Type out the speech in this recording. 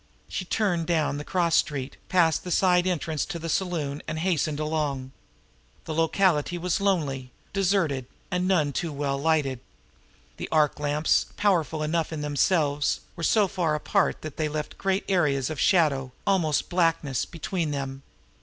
She turned down the cross street, passed the side entrance to the saloon, and hastened along. The locality was lonely, deserted, and none too well lighted. The arc lamps, powerful enough in themselves, were so far apart that they left great areas of shadow, almost blackness, between them.